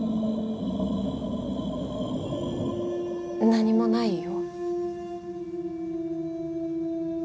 ・何もないよ。